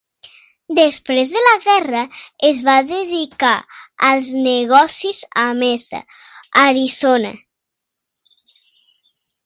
Després de la guerra, es va dedicar als negocis a Mesa, Arizona.